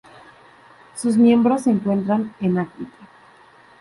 Sus miembros se encuentran en África.